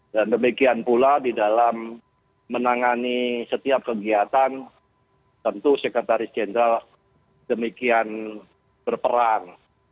dan demikian pula di dalam menangani setiap kegiatan tentu sekretaris jenderal demikian berperang